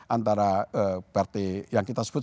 antara partai yang kita sebut